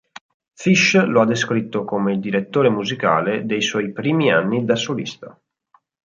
Fish lo ha descritto come il direttore musicale dei suoi primi anni da solista.